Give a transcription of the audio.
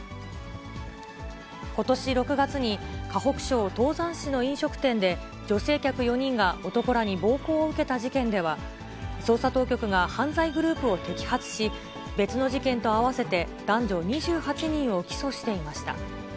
ことし６月に、河北省唐山市の飲食店で、女性客４人が男らに暴行を受けた事件では、捜査当局が犯罪グループを摘発し、別の事件と合わせて男女２８人を起訴していました。